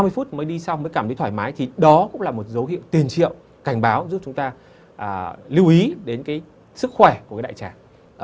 ba mươi phút mới đi xong mới cảm thấy thoải mái thì đó cũng là một dấu hiệu tiền triệu cảnh báo giúp chúng ta lưu ý đến cái sức khỏe của cái đại trà